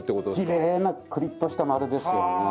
きれいなくりっとした丸ですよね。